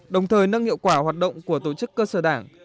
đồng thời nâng hiệu quả hoạt động của tổ chức cơ sở đảng